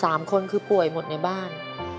สามคนคือป่วยหมดในบ้าน